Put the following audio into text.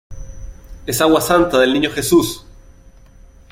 ¡ es agua santa del Niño Jesús!